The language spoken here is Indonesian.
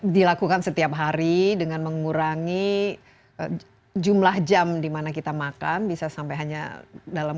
dilakukan setiap hari dengan mengurangi jumlah jam dimana kita makan bisa sampai hanya dalam